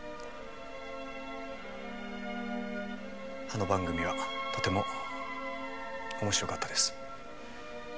あの番組はとても面白かったです。